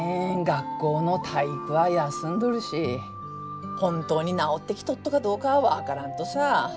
学校の体育は休んどるし本当に治ってきとっとかどうかは分からんとさ。